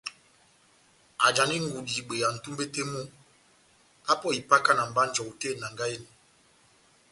ajani ngudi ibweya nʼtumbe tɛh mu apɔhe ipakana mba njɔwu tɛh enangahi eni.